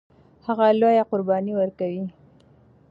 هغه لویه قرباني ورکوي.